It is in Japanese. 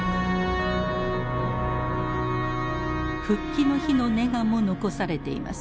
復帰の日のネガも残されています。